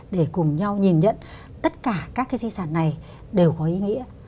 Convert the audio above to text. để cùng nhau nhìn nhận tất cả các cái di sản này đều có ý nghĩa